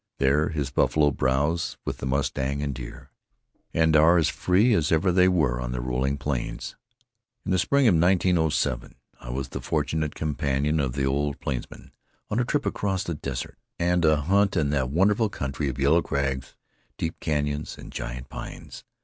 There his buffalo browse with the mustang and deer, and are as free as ever they were on the rolling plains. In the spring of 1907 I was the fortunate companion of the old plainsman on a trip across the desert, and a hunt in that wonderful country of yellow crags, deep canyons and giant pines.